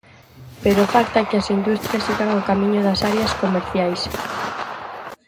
Pero falta que as industrias sigan o camiño das áreas comerciais.